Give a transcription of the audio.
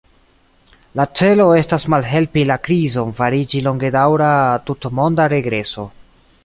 Le celo estas malhelpi la krizon fariĝi longedaŭra tutmonda regreso.